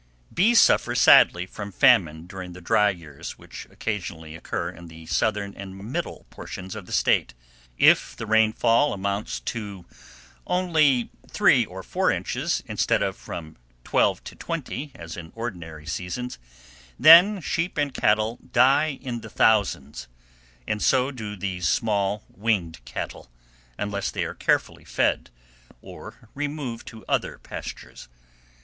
Bees suffer sadly from famine during the dry years which occasionally occur in the southern and middle portions of the State. If the rainfall amounts only to three or four inches, instead of from twelve to twenty, as in ordinary seasons, then sheep and cattle die in thousands, and so do these small, winged cattle, unless they are carefully fed, or removed to other pastures.